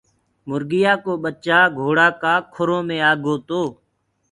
مرگيآ ڪو ٻچآ گھوڙآ ڪآ کُرو مي آگو تو۔